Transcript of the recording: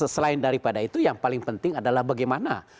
selain daripada itu yang paling penting adalah bagaimana